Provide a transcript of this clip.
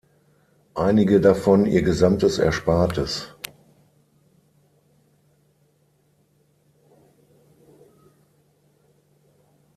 Einige davon ihr gesamtes Erspartes.